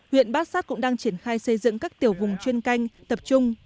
huyện bát sát cũng đang triển khai xây dựng các tiểu vùng chuyên canh tập trung